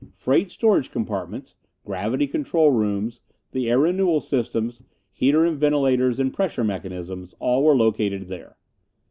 Freight storage compartments; gravity control rooms; the air renewal systems; heater and ventilators and pressure mechanisms all were located there.